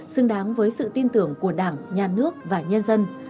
xứng đáng với sự tin tưởng của đảng nhà nước và nhân dân